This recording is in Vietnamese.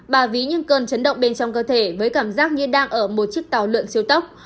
bà ví những cơn chấn động bên trong cơ thể với cảm giác như đang ở một chiếc tàu lượn siêu tốc